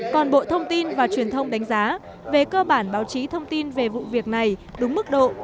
còn bộ thông tin và truyền thông đánh giá về cơ bản báo chí thông tin về vụ việc này đúng mức độ